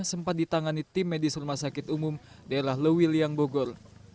sempat ditangani tim medis rumah sakit umum daerah lewiliang bogor